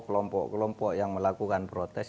kelompok kelompok yang melakukan protes